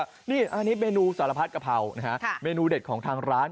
อันนี้เมนูสารพัดกะเพรานะฮะเมนูเด็ดของทางร้าน